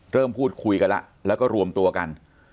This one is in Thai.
พูดคุยกันแล้วแล้วก็รวมตัวกัน